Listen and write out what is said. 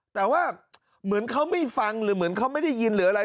แต่ว่าเหมือนเขาไม่ฟังหรือเหมือนเขาไม่ได้ยินหรืออะไร